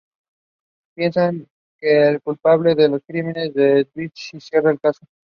Piensan que la culpable de los crímenes es Beth y cierran el caso.